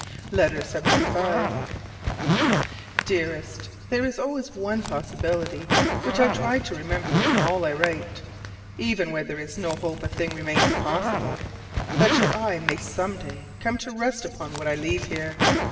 LETTER LXXV. Dearest: There is always one possibility which I try to remember in all I write: even where there is no hope a thing remains possible: that your eye may some day come to rest upon what I leave here.